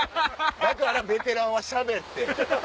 だからベテランはしゃべって。